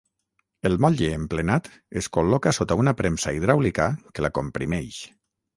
El motlle emplenat es col·loca sota una premsa hidràulica que la comprimeix.